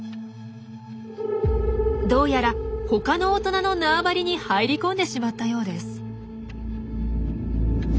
どうやら他の大人の縄張りに入り込んでしまったようです。